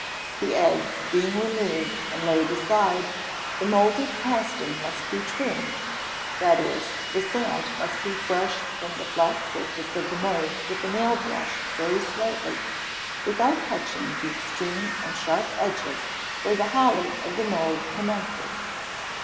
The egg being removed and laid aside, the moulder casting must be "trimmed;" that is, the sand must be brushed from the flat surface of the mould with a nail brush very slightly, without touching the extreme and sharp edges where the hollow of the mould commences.